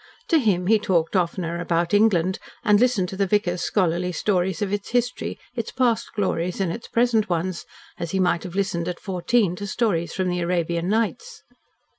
To him he talked oftener about England, and listened to the vicar's scholarly stories of its history, its past glories and its present ones, as he might have listened at fourteen to stories from the Arabian Nights.